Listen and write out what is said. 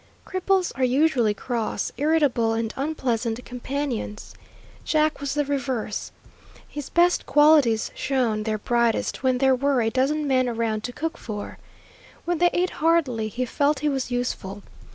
Cripples are usually cross, irritable, and unpleasant companions. Jack was the reverse. His best qualities shone their brightest when there were a dozen men around to cook for. When they ate heartily he felt he was useful.